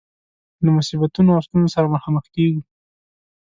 له مصیبتونو او ستونزو سره مخامخ کيږو.